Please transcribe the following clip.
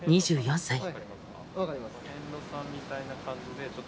２４歳。